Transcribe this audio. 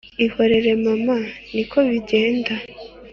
ihorere mama niko bigenda